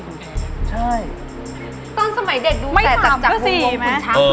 แต่ตอนสมัยเด็ดดูไม่สามก็สี่ไหมวะคุณช้างคุณภัย